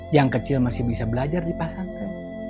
yang kecil masih bisa belajar dipasangkan